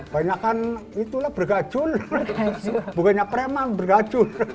banyakan itulah bergajul bukannya preman bergajul